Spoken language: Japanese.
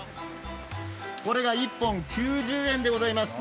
これが１本９０円でございます。